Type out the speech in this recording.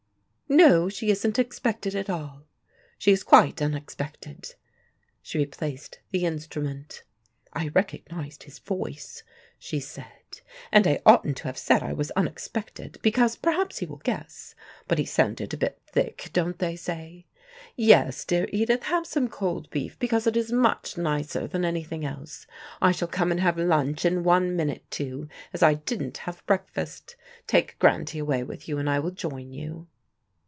No: she isn't expected at all. She is quite unexpected." She replaced the instrument. "I recognized his voice," she said, "and I oughtn't to have said I was unexpected, because perhaps he will guess. But he sounded a bit thick, don't they say? Yes, dear Edith, have some cold beef, because it is much nicer than anything else. I shall come and have lunch in one minute, too, as I didn't have any breakfast. Take Grantie away with you, and I will join you."